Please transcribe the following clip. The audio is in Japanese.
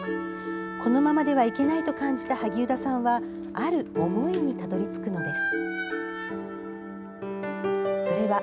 このままではいけないと感じた萩生田さんはある思いにたどり着くのです。